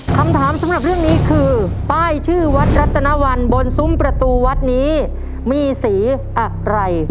คำถามสำหรับเรื่องนี้คือป้ายชื่อวัดรัตนวันบนซุ้มประตูวัดนี้มีสีอะไร